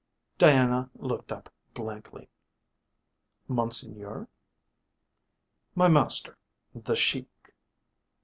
Diana looked up blankly. "Monseigneur?" "My master. The Sheik."